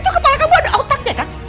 itu kepala kamu ada otaknya kan